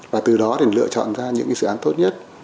và từ đó thì lựa chọn ra những dự án tốt nhất